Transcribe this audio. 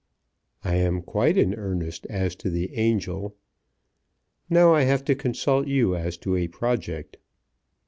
"I am quite in earnest as to the angel. Now I have to consult you as to a project."